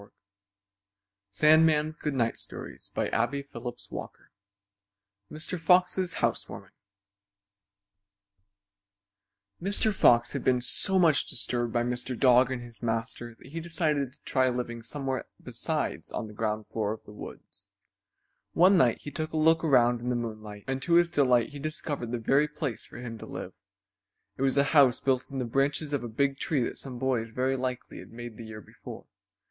Such a fall as I took none of you can realize." MR. FOX'S HOUSEWARMING [Illustration: Mr. Fox's Housewarming] Mr. Fox had been so much disturbed by Mr. Dog and his master that he decided to try living somewhere besides on the ground floor of the woods. One night he took a look around in the moonlight, and to his delight he discovered the very place for him to live. It was a house built in the branches of a big tree that some boys very likely had made the year before.